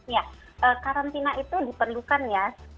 ya karantina itu diperlukan ya